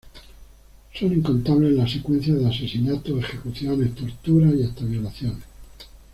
Son incontables las secuencias de asesinatos, ejecuciones, torturas y hasta violaciones.